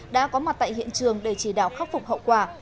đã có mặt tại hiện trường để chỉ đạo khắc phục hậu quả